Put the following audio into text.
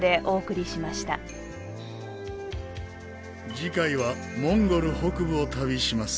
次回はモンゴル北部を旅します。